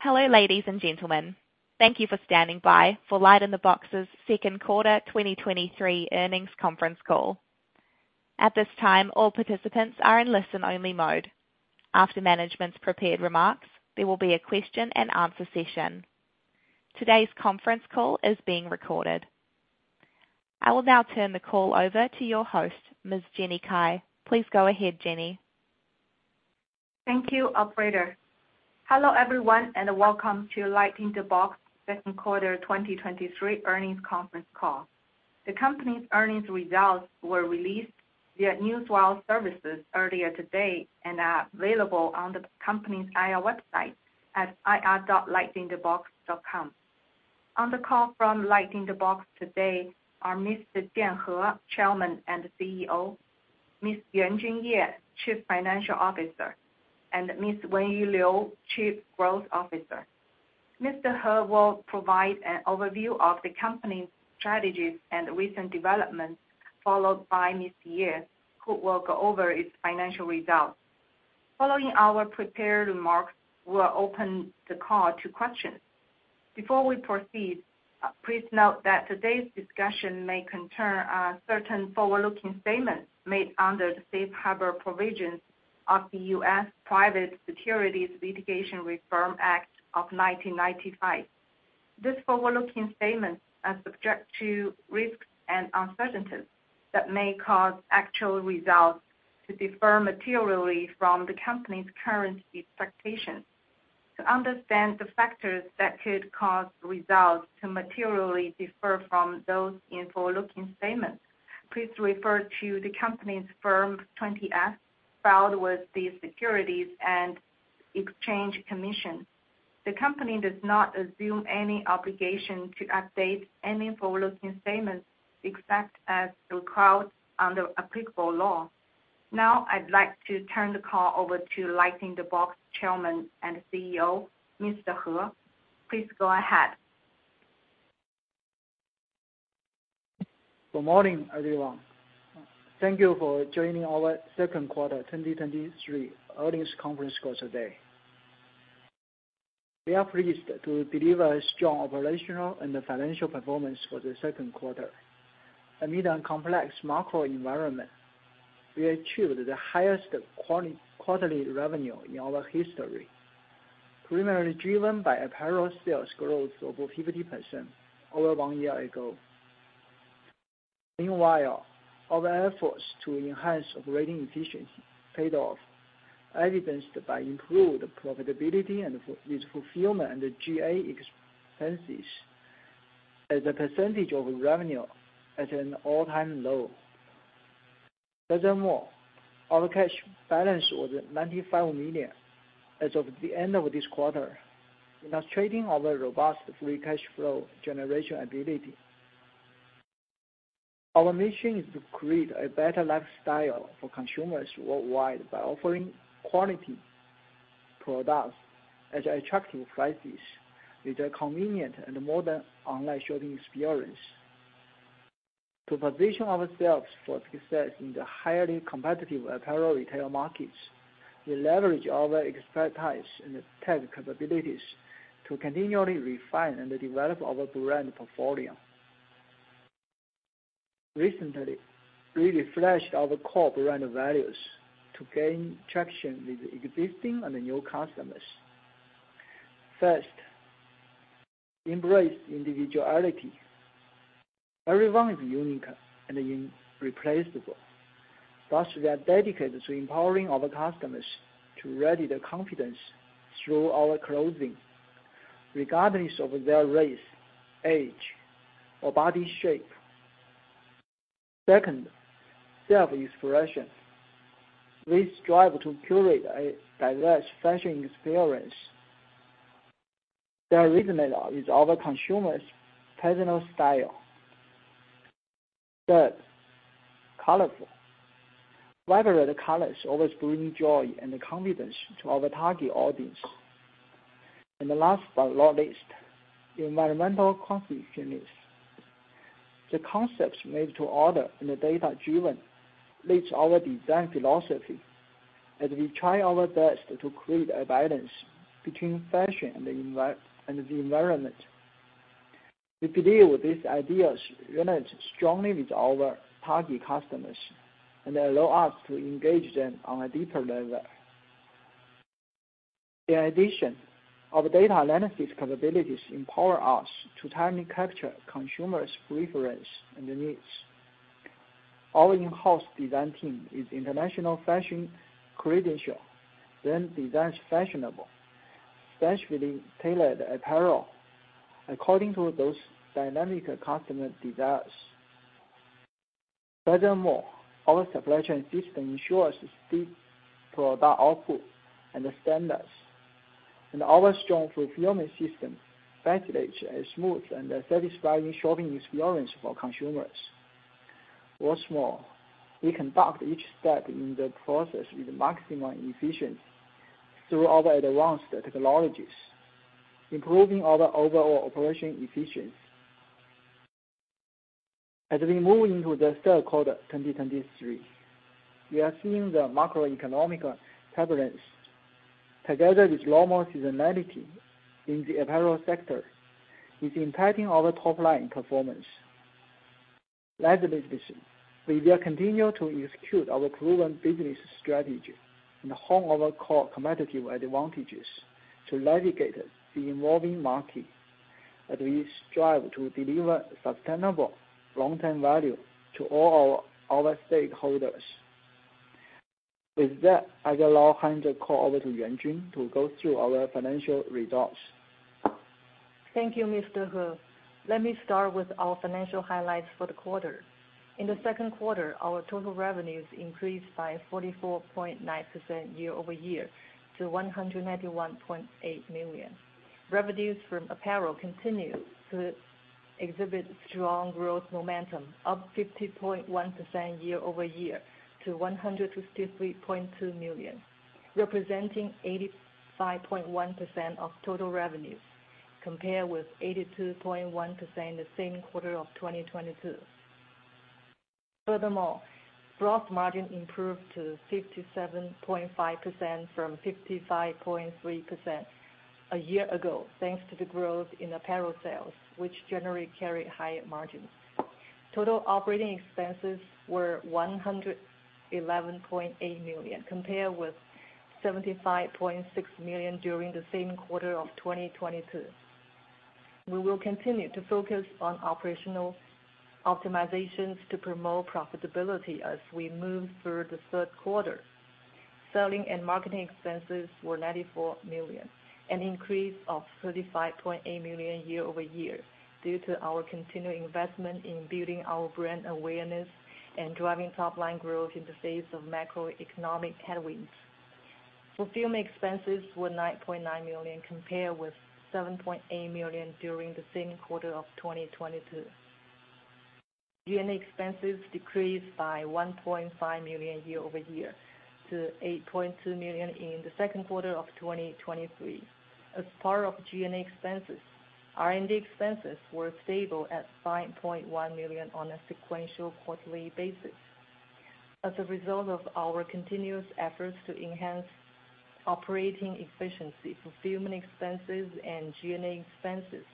Hello, ladies and gentlemen. Thank you for standing by for LightInTheBox's second quarter 2023 earnings conference call. At this time, all participants are in listen-only mode. After management's prepared remarks, there will be a question and answer session. Today's conference call is being recorded. I will now turn the call over to your host, Ms. Jenny Cai. Please go ahead, Jenny. Thank you, operator. Hello, everyone, and welcome to LightInTheBox second quarter 2023 earnings conference call. The company's earnings results were released via newswire services earlier today and are available on the company's IR website at ir.lightinthebox.com. On the call from LightInTheBox today are Mr. Jian He, Chairman and CEO; Ms. Yuanjun Ye, Chief Financial Officer; and Ms. Wenyu Liu, Chief Growth Officer. Mr. He will provide an overview of the company's strategies and recent developments, followed by Ms. Ye, who will go over its financial results. Following our prepared remarks, we'll open the call to questions. Before we proceed, please note that today's discussion may concern certain forward-looking statements made under the Safe Harbor provisions of the U.S. Private Securities Litigation Reform Act of 1995. These forward-looking statements are subject to risks and uncertainties that may cause actual results to differ materially from the company's current expectations. To understand the factors that could cause results to materially differ from those in forward-looking statements, please refer to the company's Form 20-F filed with the Securities and Exchange Commission. The company does not assume any obligation to update any forward-looking statements, except as required under applicable law. Now, I'd like to turn the call over to LightInTheBox Chairman and CEO, Mr. He. Please go ahead. Good morning, everyone. Thank you for joining our second quarter 2023 earnings conference call today. We are pleased to deliver a strong operational and financial performance for the second quarter. Amid a complex macro environment, we achieved the highest quarterly revenue in our history, primarily driven by apparel sales growth over 50% over one year ago. Meanwhile, our efforts to enhance operating efficiency paid off, evidenced by improved profitability and with fulfillment and G&A expenses as a percentage of revenue at an all-time low. Furthermore, our cash balance was $95 million as of the end of this quarter, demonstrating our robust free cash flow generation ability. Our mission is to create a better lifestyle for consumers worldwide by offering quality products at attractive prices, with a convenient and modern online shopping experience. To position ourselves for success in the highly competitive apparel retail markets, we leverage our expertise and tech capabilities to continually refine and develop our brand portfolio. Recently, we refreshed our core brand values to gain traction with existing and new customers. First, embrace individuality. Everyone is unique and irreplaceable. Thus, we are dedicated to empowering our customers to radiate confidence through our clothing, regardless of their race, age, or body shape. Second, self-expression. We strive to curate a diverse fashion experience that resonates with our consumers' personal style. Third, colorful. Vibrant colors always bring joy and confidence to our target audience. And the last but not least, environmental consciousness. The concepts made-to-order and are data-driven leads our design philosophy, as we try our best to create a balance between fashion and the environment. We believe these ideas resonate strongly with our target customers and allow us to engage them on a deeper level. In addition, our data analytics capabilities empower us to timely capture consumers' preferences and needs. Our in-house design team has international fashion credentials, then designs fashionable, specifically tailored apparel according to those dynamic customer desires. Furthermore, our supply chain system ensures high product output and standards, and our strong fulfillment systems facilitate a smooth and satisfying shopping experience for consumers. What's more, we conduct each step in the process with maximum efficiency through our advanced technologies, improving our overall operation efficiency. As we move into the third quarter 2023, we are seeing the macroeconomic turbulence, together with normal seasonality in the apparel sector, is impacting our top line performance. Nevertheless, we will continue to execute our proven business strategy and hone our core competitive advantages to navigate the evolving market, as we strive to deliver sustainable long-term value to all our stakeholders. With that, I will now hand the call over to Yuanjun to go through our financial results. Thank you, Mr. He. Let me start with our financial highlights for the quarter. In the second quarter, our total revenues increased by 44.9% year-over-year to $191.8 million. Revenues from apparel continued to exhibit strong growth momentum, up 50.1% year-over-year to $153.2 million, representing 85.1% of total revenues, compared with 82.1% the same quarter of 2022. Furthermore, gross margin improved to 57.5% from 55.3% a year ago thanks to the growth in apparel sales, which generally carry higher margins. Total operating expenses were $111.8 million, compared with $75.6 million during the same quarter of 2022. We will continue to focus on operational optimizations to promote profitability as we move through the third quarter. Selling and marketing expenses were $94 million, an increase of $35.8 million year-over-year, due to our continued investment in building our brand awareness and driving top line growth in the face of macroeconomic headwinds. Fulfillment expenses were $9.9 million, compared with $7.8 million during the same quarter of 2022. G&A expenses decreased by $1.5 million year-over-year to $8.2 million in the second quarter of 2023. As part of G&A expenses, R&D expenses were stable at $5.1 million on a sequential quarterly basis. As a result of our continuous efforts to enhance operating efficiency, fulfillment expenses and G&A expenses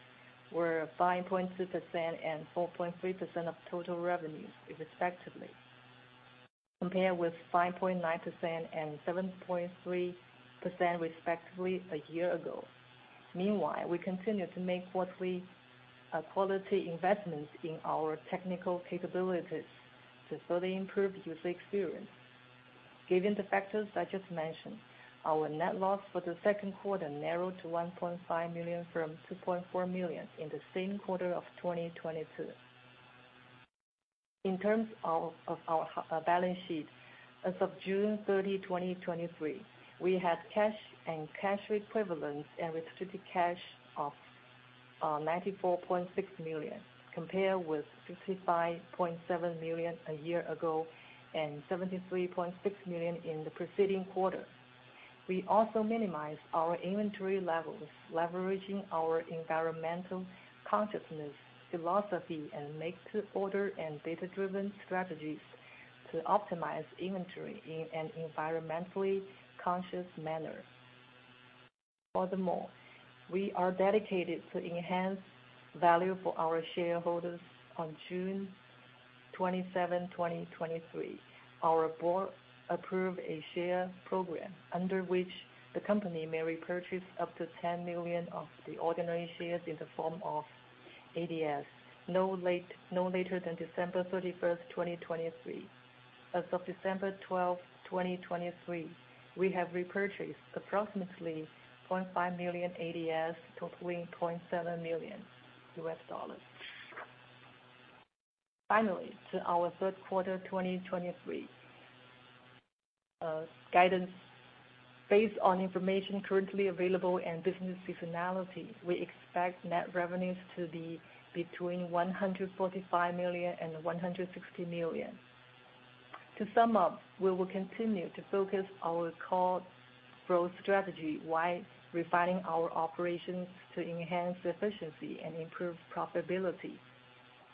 were 5.2% and 4.3% of total revenues, respectively, compared with 5.9% and 7.3%, respectively, a year ago. Meanwhile, we continue to make quarterly quality investments in our technical capabilities to further improve user experience. Given the factors I just mentioned, our net loss for the second quarter narrowed to $1.5 million from $2.4 million in the same quarter of 2022. In terms of our balance sheet, as of June 30, 2023, we had cash and cash equivalents and restricted cash of $94.6 million, compared with $65.7 million a year ago, and $73.6 million in the preceding quarter. We also minimized our inventory levels, leveraging our environmental consciousness philosophy and made-to-order and data-driven strategies to optimize inventory in an environmentally conscious manner. Furthermore, we are dedicated to enhance value for our shareholders. On June 27, 2023, our board approved a share program under which the company may repurchase up to 10 million of the ordinary shares in the form of ADSs, no later than December 31, 2023. As of December 12, 2023, we have repurchased approximately 0.5 million ADSs, totaling $0.7 million. Finally, to our third quarter 2023 guidance. Based on information currently available and business seasonality, we expect net revenues to be between $145 million and $160 million. To sum up, we will continue to focus our core growth strategy while refining our operations to enhance efficiency and improve profitability.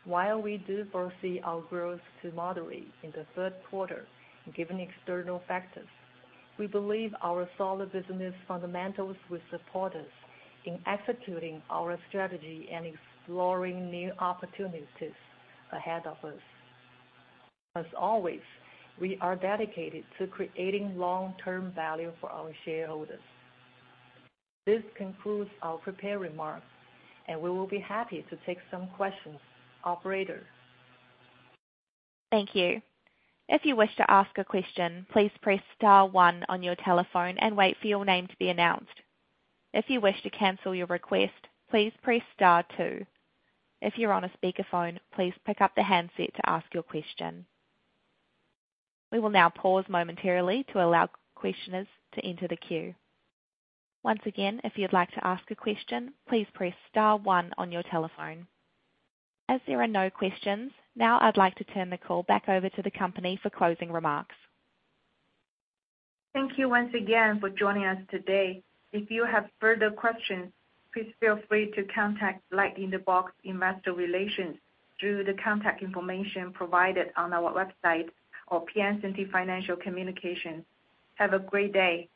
While we do foresee our growth to moderate in the third quarter, given external factors, we believe our solid business fundamentals will support us in executing our strategy and exploring new opportunities ahead of us. As always, we are dedicated to creating long-term value for our shareholders. This concludes our prepared remarks, and we will be happy to take some questions. Operator? Thank you. If you wish to ask a question, please press star one on your telephone and wait for your name to be announced. If you wish to cancel your request, please press star two. If you're on a speakerphone, please pick up the handset to ask your question. We will now pause momentarily to allow questioners to enter the queue. Once again, if you'd like to ask a question, please press star one on your telephone. As there are no questions, now I'd like to turn the call back over to the company for closing remarks. Thank you once again for joining us today. If you have further questions, please feel free to contact LightInTheBox Investor Relations through the contact information provided on our website or Piacente Financial Communications. Have a great day!